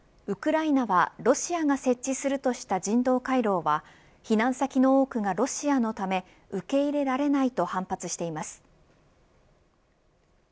ウクライナはロシアが設置するとした人道回廊は避難先の多くがロシアのため受け入れられないと反発しています。